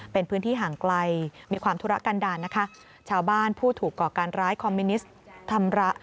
เป็นพื้นที่ห่างไกลมีความทุระกันดาลนะคะ